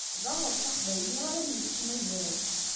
D aɣṛef aqbayli ara m-yefken azal.